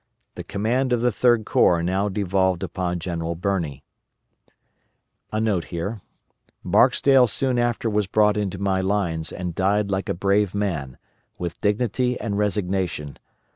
The command of the Third Corps now devolved upon General Birney. [* Barksdale soon after was brought into my lines and died like a brave man, with dignity and resignation.